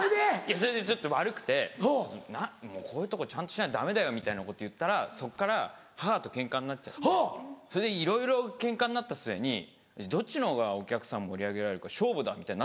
それでちょっと悪くてこういうとこちゃんとしないとダメだよみたいなこと言ったらそっから母とケンカになっちゃってそれでいろいろケンカになった末にどっちのほうがお客さん盛り上げられるか勝負だみたいに。